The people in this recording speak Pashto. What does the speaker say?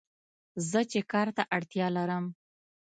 زه چې کار ته اړتیا لرم